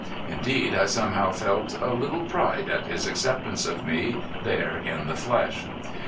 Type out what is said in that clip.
Indeed I somehow felt a little pride at his acceptance of me there in the flesh.